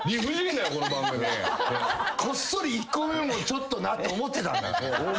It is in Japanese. こっそり１個目もちょっとなって思ってたんだから。